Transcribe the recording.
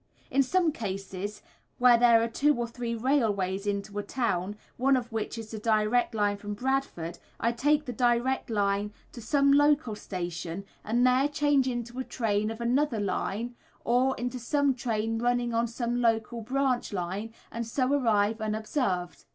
In some cases where there are two or three railways into a town, one of which is the direct line from Bradford, I take the direct line to some local station, and there change into a train of another line or into some train running on some local branch line, and so arrive unobserved.